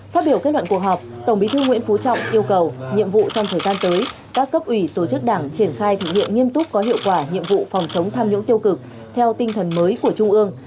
phát biểu kết luận cuộc họp tổng bí thư nguyễn phú trọng yêu cầu nhiệm vụ trong thời gian tới các cấp ủy tổ chức đảng triển khai thực hiện nghiêm túc có hiệu quả nhiệm vụ phòng chống tham nhũng tiêu cực theo tinh thần mới của trung ương